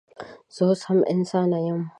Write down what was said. زه اوس هم انسانه یم